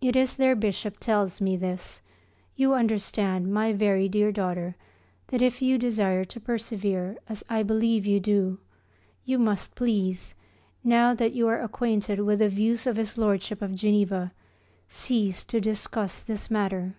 It is their Bishop tells me this. You understand, my very dear daughter, that if you desire to persevere, as I believe you do, you must please, now that you are acquainted with the views of his Lordship of Geneva, cease to discuss this matter.